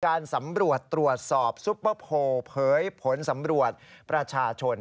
การสำรวจตรวจสอบซุปเปอร์โพลเผยผลสำรวจประชาชน